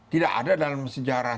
tidak ada dalam sejarah